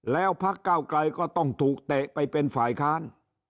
แล้วพักเก้าไกรก็ต้องถูกเตะไปเป็นฝ่ายค้าน